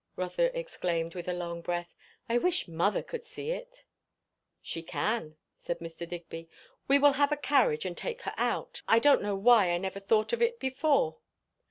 Rotha exclaimed with a long breath. "I wish mother could see it." "She can," said Mr. Digby. "We will have a carriage and take her out. I don't know why I never thought, of it before."